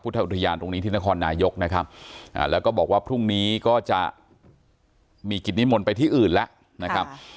ถ้าอุทยานตรงนี้ที่นครนายกนะครับแล้วก็บอกว่าพรุ่งนี้ก็จะมีกิจนิมนต์ไปที่อื่นแล้วนะครับ